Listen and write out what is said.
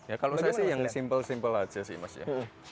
ya kalau saya sih yang simpel simpel aja sih mas ya